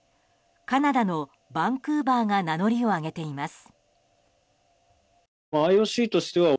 カナダのバンクーバーが名乗りを上げています。